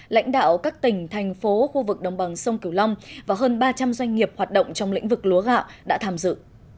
lãnh đạo các tỉnh thành phố khu vực đồng bằng sông kiều long và hơn ba trăm linh doanh nghiệp hoạt động trong lĩnh vực lúa gạo đã tham dự